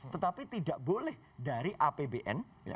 tetapi tidak boleh dari apbn